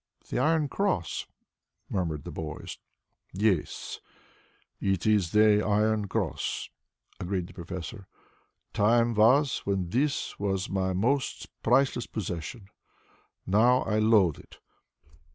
"The Iron Cross," murmured the boys. "Yes, it is the Iron Cross," agreed the professor. "Time was when this was my most priceless possession. Now I loathe it.